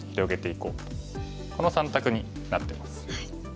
この３択になってます。